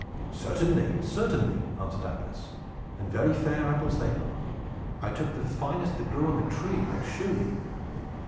"Certainly, certainly," answered Atlas; "and very fair apples they are. I took the finest that grew on the tree, I assure you.